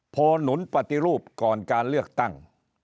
หนุนปฏิรูปก่อนการเลือกตั้ง